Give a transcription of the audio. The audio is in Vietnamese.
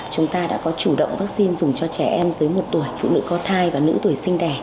chúng ta đã có chủ động vaccine dùng cho trẻ em dưới một tuổi phụ nữ có thai và nữ tuổi sinh đẻ